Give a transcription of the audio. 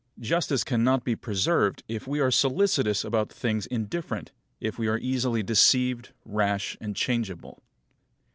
Justice cannot be preserved if we are solicitous about things indifferent, if we are easily deceived, rash, and changeable.